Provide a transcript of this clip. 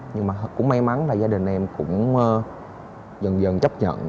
nhưng mà cũng may mắn là gia đình em cũng dần dần chấp nhận